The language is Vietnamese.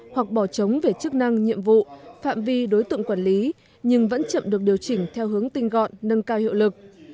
hoặc bỏ trống về chức năng nhiệm vụ phạm vi đối tượng quản lý nhưng vẫn chậm được điều chỉnh theo hướng tinh gọn nâng cao hiệu lực